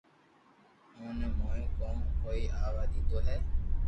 اوني موئي ڪون ڪوئي آوا ديدو ھي